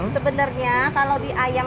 sebenarnya kalau di ayam